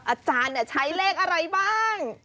อาจารย์ใช้เลขอะไรบ้าง